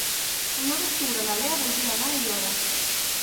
El nou d'octubre na Lea voldria anar a Aiora.